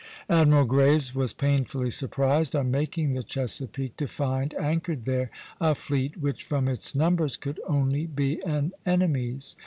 Admiral Graves was painfully surprised, on making the Chesapeake, to find anchored there a fleet which from its numbers could only be an enemy's.